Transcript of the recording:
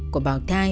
của bảo thai